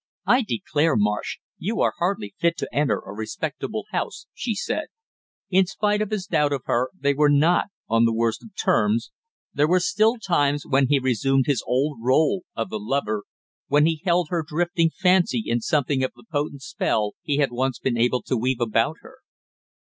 "I declare, Marsh, you are hardly fit to enter a respectable house!" she said. In spite of his doubt of her, they were not on the worst of terms, there were still times when he resumed his old role of the lover, when he held her drifting fancy in something of the potent spell he had once been able to weave about her.